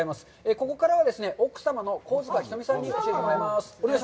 ここからは、奥様の黄塚ひとみさんに教えてもらいます。